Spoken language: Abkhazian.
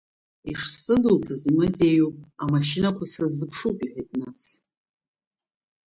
Ишсыдуҵаз имазеиуп, амашьынақәа сырзыԥшуп иҳәеит, нас…